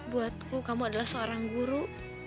buatku kamu adalah seorang guru